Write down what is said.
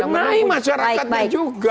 benahi masyarakatnya juga